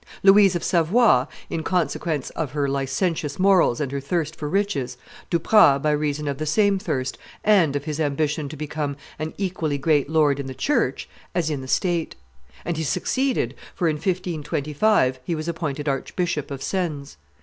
Louise of Savoy, in consequence of her licentious morals and her thirst for riches; Duprat, by reason of the same thirst, and of his ambition to become an equally great lord in the church as in the state; and he succeeded, for in 1525 he was appointed Archbishop of Sens.